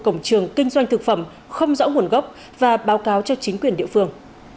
cổng trường kinh doanh thực phẩm không rõ nguồn gốc và báo cáo cho chính quyền địa phương